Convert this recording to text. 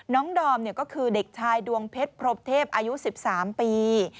ดอมก็คือเด็กชายดวงเพชรพรมเทพอายุ๑๓ปี